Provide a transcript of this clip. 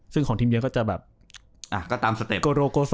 ซึ่งของทีมเยือนก็จะแบบก็ตามสเต็ป